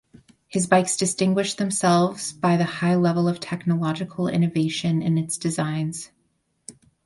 His bikes distinguished themselves by the high level of technological innovation in its designs.